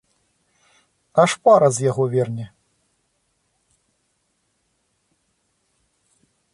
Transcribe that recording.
Аж пара з яго верне.